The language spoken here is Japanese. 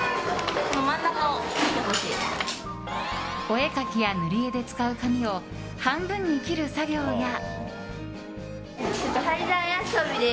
お絵かきや塗り絵で使う紙を半分に切る作業や。